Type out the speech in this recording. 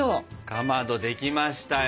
かまどできましたよ。